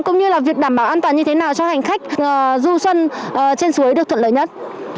cũng như là việc đảm bảo an toàn như thế nào cho hành khách du xuân trên suối được thuận lợi nhất